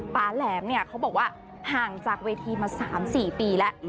แหลมเนี่ยเขาบอกว่าห่างจากเวทีมา๓๔ปีแล้ว